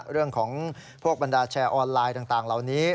เรื่องของพวกบรรดาแชร์ออนไลน์ต่างเรานี้